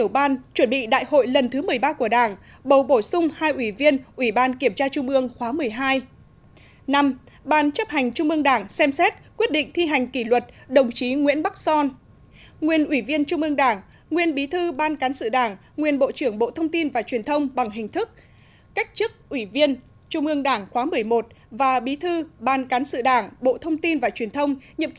năm ban chấp hành trung ương đảng xem xét quyết định thi hành kỷ luật đồng chí nguyễn bắc son nguyên ủy viên trung ương đảng nguyên bí thư ban cán sự đảng nguyên bộ trưởng bộ thông tin và truyền thông bằng hình thức cách chức ủy viên trung ương đảng khóa một mươi một và bí thư ban cán sự đảng bộ thông tin và truyền thông nhiệm kỳ hai nghìn một mươi một hai nghìn một mươi sáu